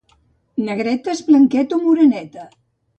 Na Greta és blanqueta o moreneta?